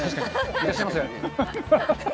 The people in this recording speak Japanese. いらっしゃいませ。